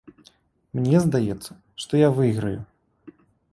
Мне здаецца, што я выйграю.